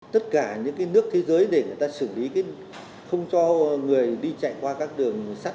tất cả những nước thế giới để người ta xử lý không cho người đi chạy qua các đường sắt